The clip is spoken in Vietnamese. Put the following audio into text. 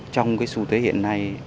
trong su thế hiện nay